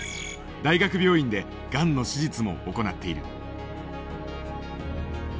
大学病院でがんの手術も行っている。